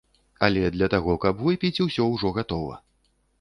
Але для таго, каб выпіць, усё ўжо гатова.